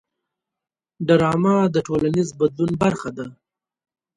ډرامه د ټولنیز بدلون برخه ده